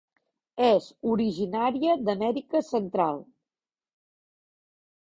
És originària d'Amèrica Central.